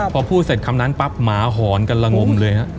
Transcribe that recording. พอพูดเสร็จคำนั้นปั๊บหมาหอนกันละงมเลยฮะ